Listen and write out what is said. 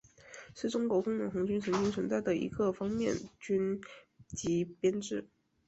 是中国工农红军曾经存在的一个方面军级编制。